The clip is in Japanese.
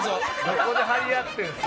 どこで張り合ってるんですか。